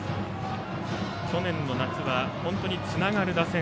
去年の夏はつながる打線